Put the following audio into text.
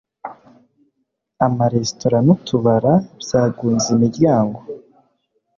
amaresitora n'utubara byagunze imiryango